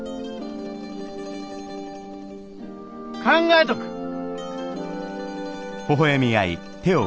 考えとく！